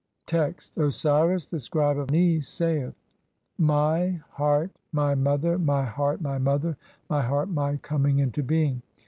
Text : Osiris, the scribe Ani, saith :— "My 1 heart my mother, my heart my mother, my heart my "coming into being.